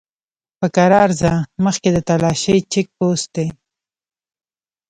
په کرار ځه! مخکې د تالاشی چيک پوسټ دی!